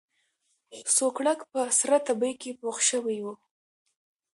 سوکړک په سره تبۍ کې پوخ شوی و.